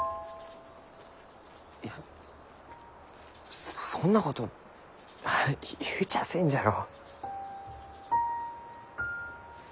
いやそそんなこと言うちゃあせんじゃろ。